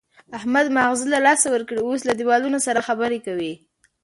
احمد ماغزه له لاسه ورکړي، اوس له دېوالونو سره خبرې کوي.